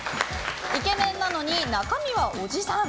イケメンなのに中身はおじさん！